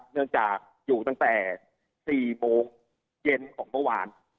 เนื่องจากอยู่ตั้งแต่๔โมงเย็นของเมื่อวาน